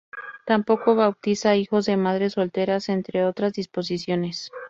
Tampoco bautiza a hijos de madres solteras, entre otras disposiciones.